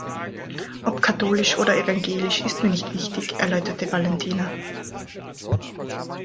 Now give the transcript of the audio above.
Ob katholisch oder evangelisch ist mir nicht wichtig, erläuterte Valentina.